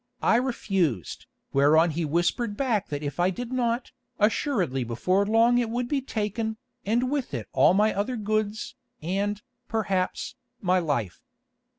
I refused, whereon he whispered back that if I did not, assuredly before long it would be taken, and with it all my other goods, and, perhaps, my life.